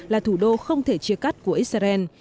là thủ đô không thể chia cắt của israel